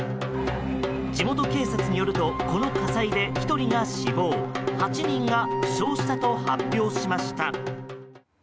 地元警察によるとこの火災で１人が死亡８人が負傷したと発表しました。